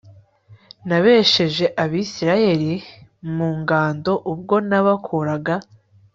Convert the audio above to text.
nabesheje Abisirayeli mu ngando ubwo nabakuraga